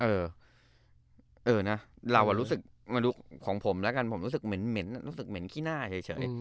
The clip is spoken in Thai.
เออนะเรารู้สึกของผมแล้วกันผมรู้สึกเหม็นรู้สึกเหม็นขี้หน้าเฉย